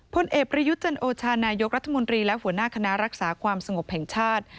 พลเอกประยุทธ์จันโอชานายกรัฐมนตรีและหัวหน้าคณะรักษาความสงบแห่งชาติ